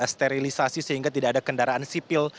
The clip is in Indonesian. sterilisasi sehingga tidak ada kendaraan sipil